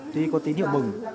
tuy có tín hiệu mừng